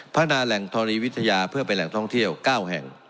พัฒนาแหล่งธรณีวิทยาเพื่อเป็นแหล่งท่องเที่ยว๙แห่ง